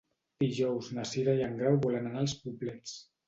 Dijous na Cira i en Grau volen anar als Poblets.